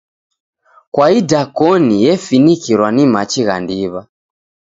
Kwa idakoni efinikirwa ni machi gha ndiw'a.